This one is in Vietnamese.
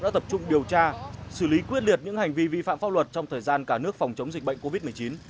trụng điều tra xử lý quyết liệt những hành vi vi phạm pháp luật trong thời gian cả nước phòng chống dịch bệnh covid một mươi chín